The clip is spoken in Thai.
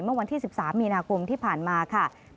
เมื่อวันที่๑๓มีนาคมที่ผ่านมาค่ะ